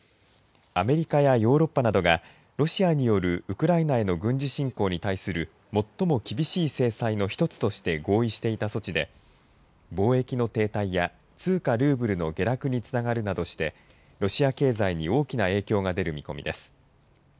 アメリカやヨーロッパなどがロシアによるウクライナへの軍事侵攻に対する最も厳しい制裁の１つとして合意していた措置で貿易の停滞や通貨ルーブルの下落につながるなどしてロシア経済に大きな影響が出る見込みです。